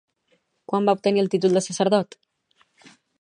Quan va obtenir el títol de sacerdot?